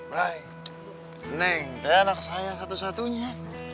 brai neng teh anak saya satu satunya